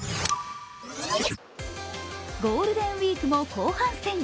ゴールデンウイークも後半戦。